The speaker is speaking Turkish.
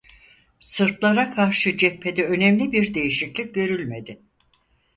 Sırplara karşı cephede önemli bir değişiklik görülmedi.